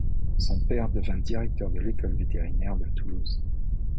Son père devint directeur de l’École vétérinaire de Toulouse.